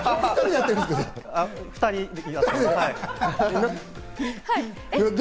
２人で。